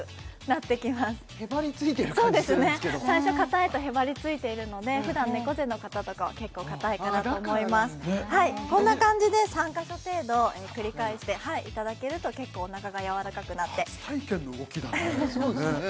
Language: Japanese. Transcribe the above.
最初かたいとへばりついているので普段猫背の方とかは結構かたいかなと思いますああだからなんだはいこんな感じで３カ所程度繰り返していただけると結構おなかがやわらかくなって初体験の動きだね